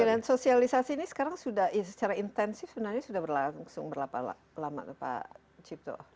oke dan sosialisasi ini sekarang sudah secara intensif sebenarnya sudah berlangsung berapa lama pak cipto